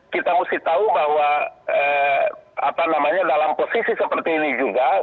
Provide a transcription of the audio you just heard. kita harus tahu bahwa apa namanya dalam posisi seperti ini juga